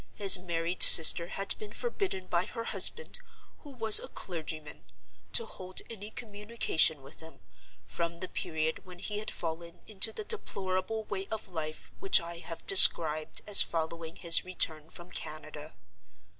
His married sister had been forbidden by her husband (who was a clergyman) to hold any communication with him, from the period when he had fallen into the deplorable way of life which I have described as following his return from Canada.